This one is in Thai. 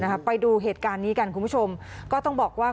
ไปดูเหตุการณ์นี้กันคุณผู้ชมก็ต้องบอกว่า